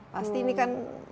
pasti ini kan